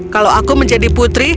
kalau aku menjadi putri